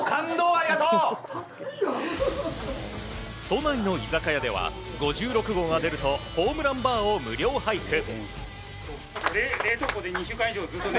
都内の居酒屋では５６号が出るとホームランバーを無料配布。